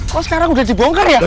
kok sekarang udah dibongkar ya